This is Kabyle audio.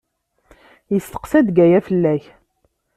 Yesteqsa-d Gaya fell-ak.